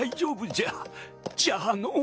じゃあの。